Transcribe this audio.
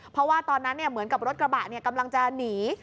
เพราะว่าตอนนั้นเหมือนกับรถกระบะกำลังจะหนี